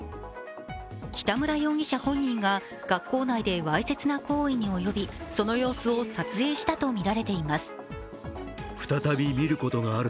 北村容疑者本人が学校内でわいせつな行為に及び、その様子を撮影したとみられています。